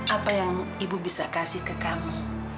apa yang ibu bisa kasih ke kami